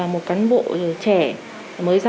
một cán bộ trẻ